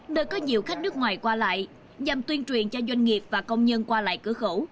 nơi có nhiều khách nước ngoài qua lại nhằm tuyên truyền cho doanh nghiệp và công nhân qua lại cửa khẩu